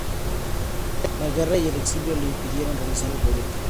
La guerra y el exilio le impidieron realizar el proyecto.